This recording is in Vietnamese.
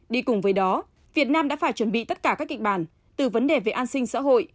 đi cùng với đó việt nam đã phải chuẩn bị tất cả các kịch bản từ vấn đề về an sinh xã hội